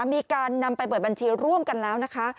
มีการนำไปเปิดบัญชีร่วมกันแล้วนะคะ